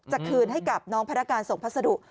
คืนให้กับน้องพนักการส่งพัสดุ